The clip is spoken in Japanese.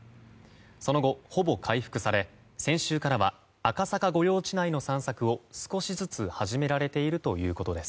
その後、ほぼ回復され先週からは赤坂御用地内の散策を少しずつ始められているということです。